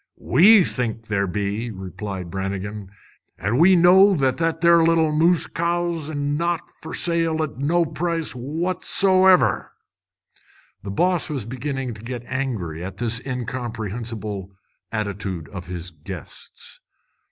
"We think ther' be," replied Brannigan, "an' we know that there little moose cow's our'n an' not fer sale at no price, what so ever!" The boss was beginning to get angry at this incomprehensible attitude of his guests.